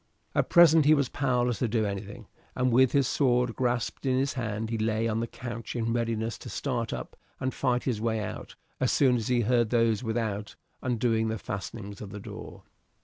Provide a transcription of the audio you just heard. At present he was powerless to do anything, and with his sword grasped in his hand he lay on the couch in readiness to start up and fight his way out, as soon as he heard those without undoing the fastenings of the door.